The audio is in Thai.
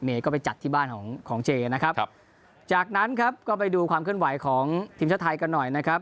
ก็ไปจัดที่บ้านของของเจนะครับจากนั้นครับก็ไปดูความเคลื่อนไหวของทีมชาติไทยกันหน่อยนะครับ